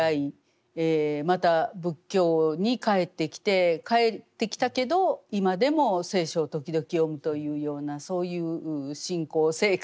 また仏教に帰ってきて帰ってきたけど今でも聖書を時々読むというようなそういう信仰生活です。